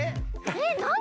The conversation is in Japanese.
えっなに？